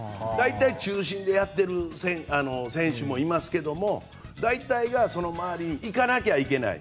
大体、中心でやってる選手もいますけれど大体がその周りに行かなきゃいけない。